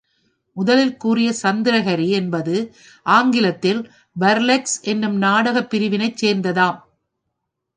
முதலில் கூறிய சந்திரஹரி என்பது ஆங்கிலத்தில் பர்லெஸ்க் என்னும் நாடகப் பிரிவினைச் சேர்ந்ததாம்.